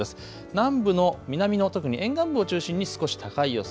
南部の南の、特に沿岸を中心に少し高い予想。